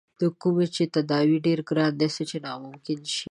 د کومې چې تداوے ډېر ګران څۀ چې ناممکن شي